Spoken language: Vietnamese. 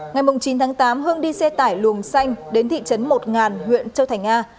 ngày chín tháng tám hưng đi xe tải luồng xanh đến thị trấn một ngàn huyện châu thành a